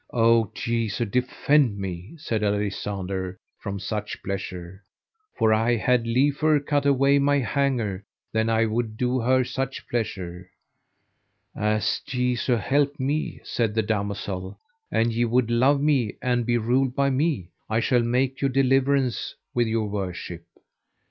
O Jesu defend me, said Alisander, from such pleasure; for I had liefer cut away my hangers than I would do her such pleasure. As Jesu help me, said the damosel, an ye would love me and be ruled by me, I shall make your deliverance with your worship.